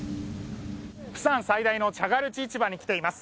釜山最大のチャガルチ市場に来ています。